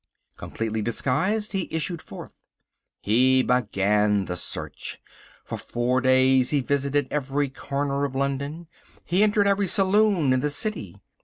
Completely disguised, he issued forth. He began the search. For four days he visited every corner of London. He entered every saloon in the city.